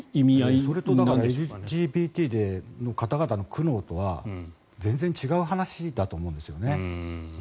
それとＬＧＢＴの方々の苦悩とは全然違う話だと思うんですよね。